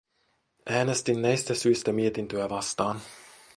Äänestin näistä syistä mietintöä vastaan.